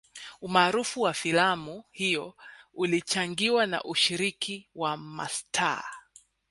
Umaarufu wa filamu hiyo ulichangiwa na ushiriki wa mastaa